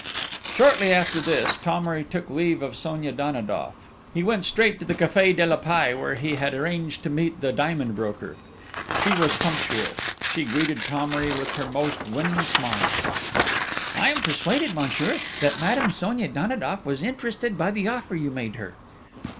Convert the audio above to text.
Shortly after this, Thomery took leave of Sonia Danidoff. He went straight to the Café de la Paix, where he had arranged to meet the diamond broker.... She was punctual. She greeted Thomery with her most winning smile. "I am persuaded, monsieur, that Madame Sonia Danidoff was interested by the offer you made her?"